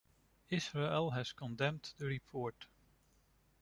Israel has condemned the report.